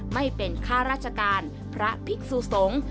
ไม่เป็นข้าราชการพระภิกษุสงฆ์